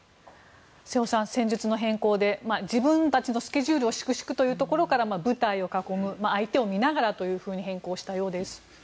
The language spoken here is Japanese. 瀬尾さん、戦術の変更で自分たちのスケジュールを粛々というところから部隊を囲む相手を見ながらというふうに変更したようです。